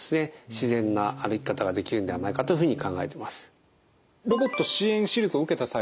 自然な歩き方ができるんではないかというふうに考えています。